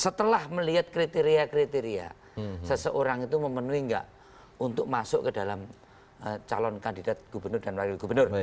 setelah melihat kriteria kriteria seseorang itu memenuhi enggak untuk masuk ke dalam calon kandidat gubernur dan wakil gubernur